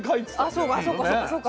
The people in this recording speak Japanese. あそうかそうかそうかそうか。